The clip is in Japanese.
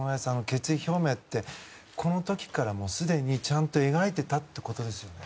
決意表明ってこの時からすでにちゃんと描いていたってことですね。